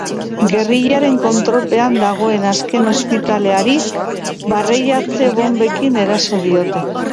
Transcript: Gerrilaren kontrolpean dagoen azken ospitaleari barreiatze-bonbekin eraso diote.